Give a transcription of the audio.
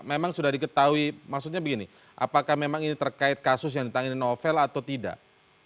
memang sudah diketahui maksudnya begini apakah memang ini terkait kasus yang ditangani novel atau tidak